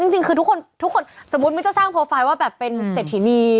จริงคือทุกคนสมมุติมิ้นจะสร้างโปรไฟล์ว่าแบบเป็นเศรษฐินี